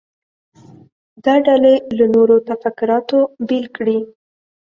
دا ډلې له نورو تفکراتو بیل کړي.